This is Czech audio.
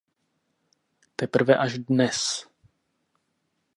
Teprve až dnes.